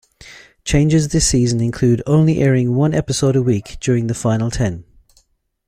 Changes this season include only airing one episode a week during the final ten.